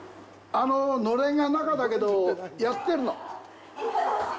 あのう、のれんが中だけど、やってるの？